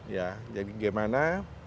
ya jadi gimana